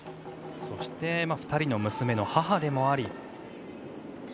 そして２人の娘の母でもあり。